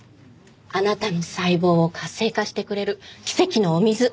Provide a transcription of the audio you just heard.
あなたの細胞を活性化してくれる奇跡のお水。